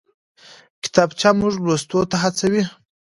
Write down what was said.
کتابچه موږ لوستو ته هڅوي